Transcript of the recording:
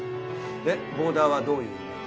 でボーダーはどういうイメージ？